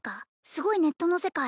すごいネットの世界？